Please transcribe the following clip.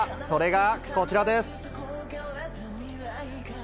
それがこちらです。